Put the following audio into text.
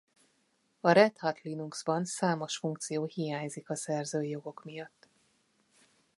A Red Hat Linuxban számos funkció hiányzik a szerzői jogok miatt.